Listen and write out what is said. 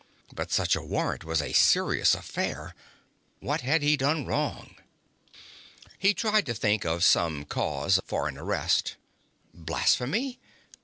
But such a warrant was a serious affair. What had he done wrong? He tried to think of some cause for an arrest. Blasphemy?